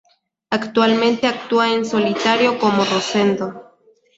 Actualmente actúa en solitario como Rosendo.